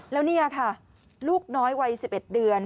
แล้วนี่ค่ะลูกน้อยวัย๑๑เดือน